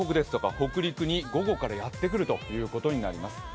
北陸に、午後からやってくるということになります。